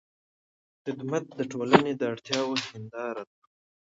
خدمت د ټولنې د اړتیاوو هنداره ده.